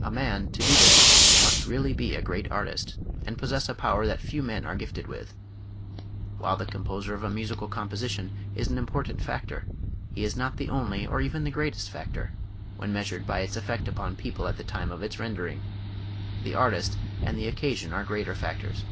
A man, to do this, must really be a great artist, and possess a power that few men are gifted with. While the composer of a musical composi tion is an important factor, he is not the only or even the greatest factor, when meas ured by its effect upon the people at the time of its rendering. The artist and the occasion are greater factors.